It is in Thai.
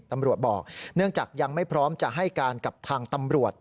ตำรวจบอกเนื่องจากยังไม่พร้อมจะให้การกับทางตำรวจ